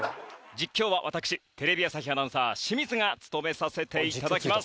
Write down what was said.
実況は私テレビ朝日アナウンサー清水が務めさせていただきます。